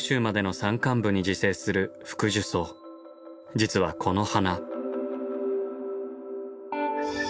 実はこの花。